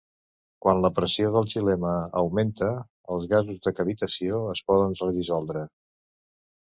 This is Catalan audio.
Quan la pressió del xilema augmenta, els gasos de cavitació es poden redissoldre.